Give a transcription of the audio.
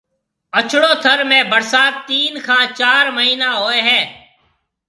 اڇڙو ٿر ۾ ڀرسات تين کان چار مھيَََنا ھوئيَ ھيََََ